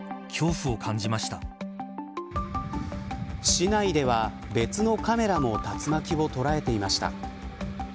市内では、別のカメラも竜巻を捉えていました。